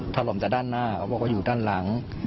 ถล่มจากด้านหน้าเขาบอกว่าอยู่ด้านหลัง